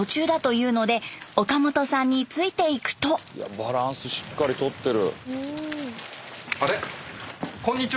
バランスしっかりとってる。